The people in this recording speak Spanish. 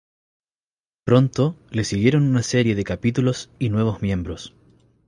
Pronto le siguieron una serie de capítulos y nuevos miembros.